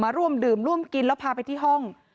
ร่วมดื่มร่วมกินแล้วพาไปที่ห้อง